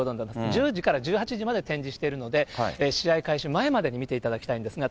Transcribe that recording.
１０時から１８時まで展示しているので、試合開始前までに見ていただきたいんですが。